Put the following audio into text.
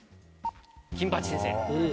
金八先生。